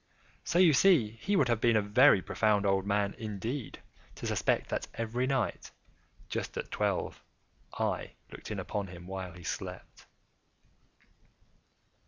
So you see he would have been a very profound old man, indeed, to suspect that every night, just at twelve, I looked in upon him while he slept.